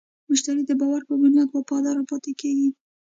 مشتری د باور په بنیاد وفادار پاتې کېږي.